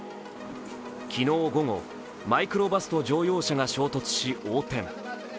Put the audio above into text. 昨日午後、マイクロバスと乗用車が衝突し横転。